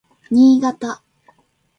Niigata